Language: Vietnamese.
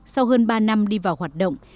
sau hơn ba năm đi vào hoạt động